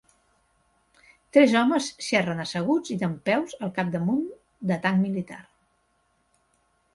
Tres homes xerren asseguts i dempeus al capdamunt de tanc militar.